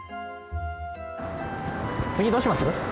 「次どうします？」。